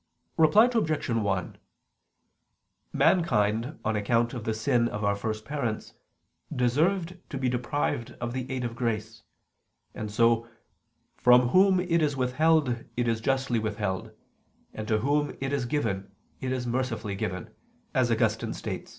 Reply Obj. 1: Mankind on account of the sin of our first parents deserved to be deprived of the aid of grace: and so "from whom it is withheld it is justly withheld, and to whom it is given, it is mercifully given," as Augustine states (De Perfect.